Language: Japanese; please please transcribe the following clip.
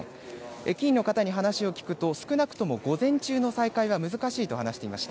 駅員の方に話を聞くと、少なくとも午前中の再開は難しいと話していました。